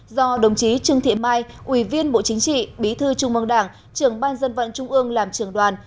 do đồng chí trương thị mai ủy viên bộ chính trị bí thư trung mong đảng trưởng ban dân vận trung ương làm trưởng đoàn